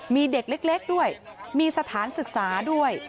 มีเด็กเล็กด้วยมีสถานศึกษาด้วย